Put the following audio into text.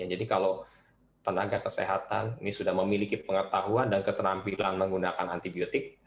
jadi kalau tenaga kesehatan ini sudah memiliki pengetahuan dan keterampilan menggunakan antibiotik